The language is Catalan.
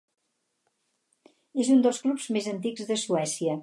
És un dels clubs més antics de Suècia.